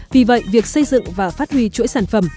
vì vậy việc xây dựng và phát huy chuỗi sản phẩm